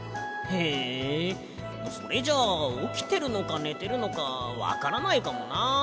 へえそれじゃあおきてるのかねてるのかわからないかもな。